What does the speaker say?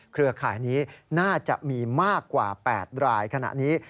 เครือข่ายนี้น่าจะมีมากกว่า๘รายขณะนี้